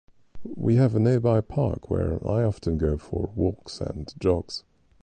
We have a nearby park where I often go for walks and jogs.